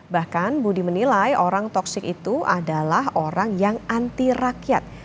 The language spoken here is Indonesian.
bahkan budi menilai orang toksik itu adalah orang yang anti rakyat